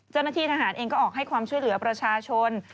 เจ้าหน้าที่ทหารเองก็ออกให้ความช่วยเหลือประชาชน